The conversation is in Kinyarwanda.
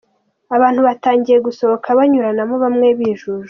Abantu batangiye gusohoka banyuranamo bamwe bijujuta.